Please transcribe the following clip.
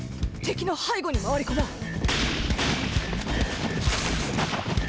敵の背後に回り込もう。